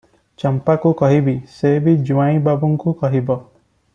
ଚମ୍ପାକୁ କହିବି, ସେ ବି ଜୁଆଇଁ ବାବୁଙ୍କୁ କହିବ ।